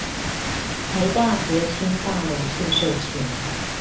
臺大國青大樓宿舍前